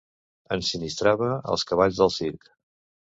Ensinistrava els cavalls del circ.